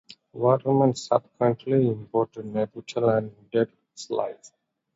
Waterman subsequently imported Nembutal and ended his life.